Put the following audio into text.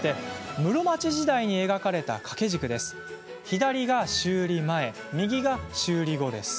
室町時代に描かれた掛け軸です。